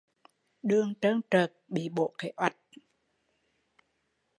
Đường trơn trợt bị bổ cái oạch